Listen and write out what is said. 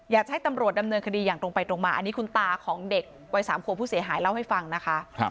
อยากให้ตำรวจดำเนินคดีอย่างตรงไปตรงมาอันนี้คุณตาของเด็กวัย๓ขวบผู้เสียหายเล่าให้ฟังนะคะ